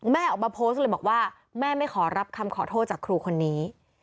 แม่ออกมาโพสต์เลยบอกว่าแม่ไม่ขอรับคำขอโทษจากครูคนนี้